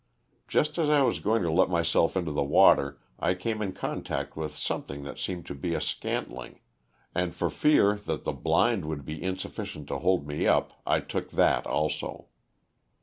Just as I was going to let myself into the water I came in contact with something that seemed to be a scantling, and for fear the blind would be insufficient to hold me up, I took that also.